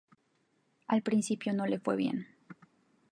Al principio no le fue bien.